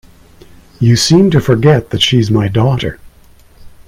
You seem to forget that she's my daughter.